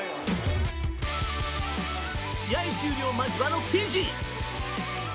試合終了間際のフィジー。